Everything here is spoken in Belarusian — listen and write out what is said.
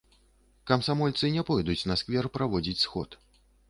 Камсамольцы не пойдуць на сквер праводзіць сход.